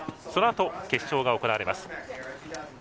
そのあと、決勝が行われます。